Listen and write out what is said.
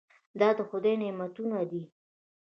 دا د خدای نعمتونه دي.